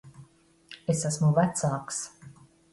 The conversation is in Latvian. Es esmu vecāks.